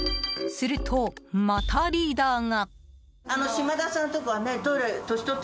すると、またリーダーが。